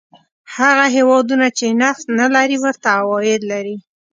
هغه هېوادونه چې نفت نه لري ورته عواید لري.